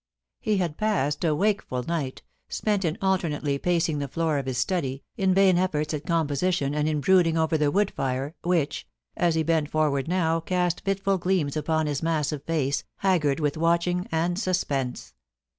He had passed a wakeful night, spent in alternately pacing the floor of his study, in vain efforts at composition and in S/y/STER OMENS. 361 brooding over the wood fire, which, as he bent forward now cast fitful gleams upon his massive face, haggard with watch ing and suspense.